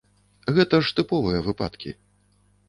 Гэта ж тыповыя выпадкі.